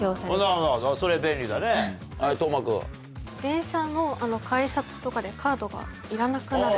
はい當真君。とかでカードがいらなくなる。